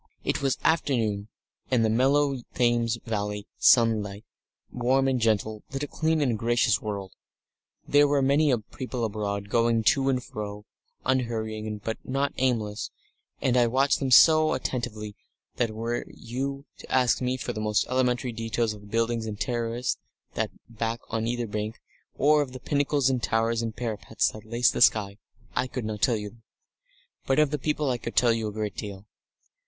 It was afternoon, and the mellow Thames Valley sunlight, warm and gentle, lit a clean and gracious world. There were many people abroad, going to and fro, unhurrying, but not aimless, and I watched them so attentively that were you to ask me for the most elementary details of the buildings and terraces that lay back on either bank, or of the pinnacles and towers and parapets that laced the sky, I could not tell you them. But of the people I could tell a great deal.